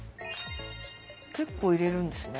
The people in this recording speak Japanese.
結構入れるんですね。